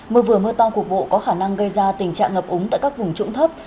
mưa vừa mưa to cục bộ có khả năng gây ra tình trạng ngập úng tại các vùng trũng thấp